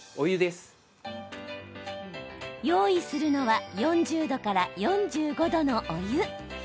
用意するのは４０度から４５度のお湯。